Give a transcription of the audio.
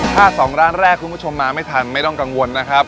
ถ้าสองร้านแรกคุณผู้ชมมาไม่ทันไม่ต้องกังวลนะครับ